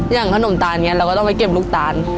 อย่างขนมตาลนี้เราก็ต้องไปเก็บลูกตาล